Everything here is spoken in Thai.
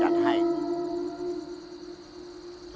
จัดทำให้